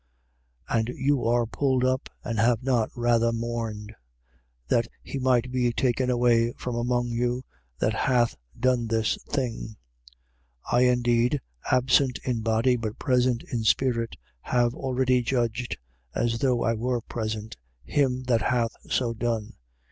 And you are puffed up and have not rather mourned: that he might be taken away from among you that hath done this thing. 5:3. I indeed, absent in body but present in spirit, have already judged, as though I were present, him that hath so done, 5:4.